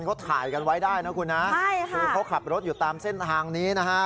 เขาถ่ายกันไว้ได้นะคุณนะใช่ค่ะคือเขาขับรถอยู่ตามเส้นทางนี้นะฮะ